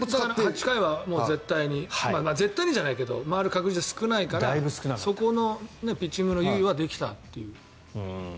８回は絶対に絶対じゃないけど回る確率は少ないからそこのピッチングの猶予はできたという。